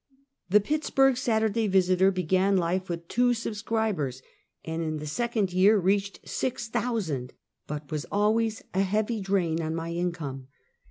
The Pittsburg Saturday Visiter began life with two subscribers, and in the second year reached six thousand, but was always a heavy drain on my income.